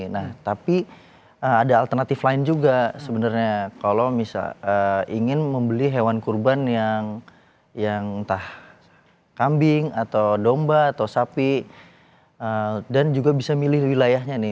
nah tapi ada alternatif lain juga sebenarnya kalau misal ingin membeli hewan kurban yang entah kambing atau domba atau sapi dan juga bisa milih wilayahnya nih